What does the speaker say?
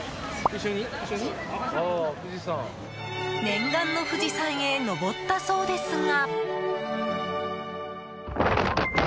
念願の富士山へ登ったそうですが。